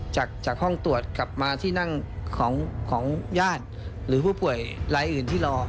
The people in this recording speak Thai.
จากห้องตรวจกลับมาที่นั่งของญาติหรือผู้ป่วยรายอื่นที่รอ